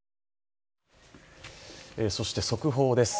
そして、速報です。